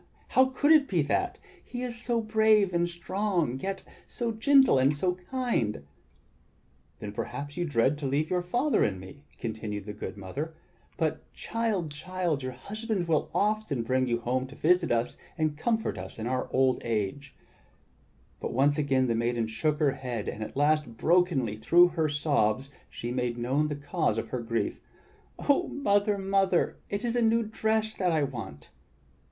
How could it be that? He is so brave and strong, yet so gentle and so kind!" "Then perhaps you dread to leave your father and me," continued the good mother. "But child, child, your husband will often bring you home to visit us and comfort our old age." But once again the maiden shook her head, and at last, brokenly, through her sobs, she made known the cause of her grief : "Oh Mother, Mother, it is a new dress that I want!"